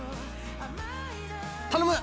頼む！